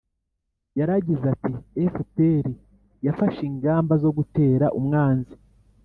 yaragize ati: «fpr yafashe ingamba zo gutera umwanzi